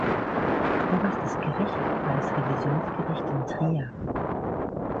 Oberstes Gericht war das Revisionsgericht in Trier.